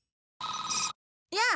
やあ。